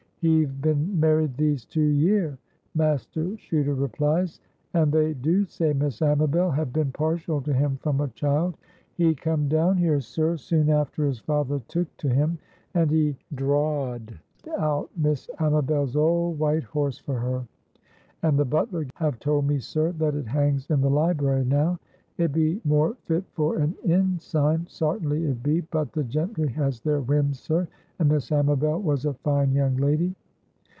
"He've been married these two year," Master Chuter replies. "And they do say Miss Amabel have been partial to him from a child. He come down here, sir, soon after his father took to him, and he draad out Miss Amabel's old white horse for her; and the butler have told me, sir, that it hangs in the library now. It be more fit for an inn sign, sartinly, it be, but the gentry has their whims, sir, and Miss Amabel was a fine young lady.